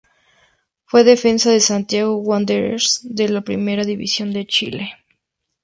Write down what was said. Fue defensa en Santiago Wanderers de la Primera División de Chile.